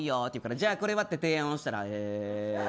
じゃあ、これはって提案したらえー。